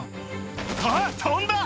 あっ飛んだ！